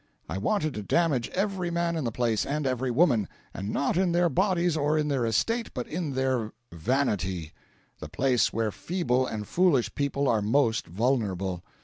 I wanted to damage every man in the place, and every woman and not in their bodies or in their estate, but in their vanity the place where feeble and foolish people are most vulnerable.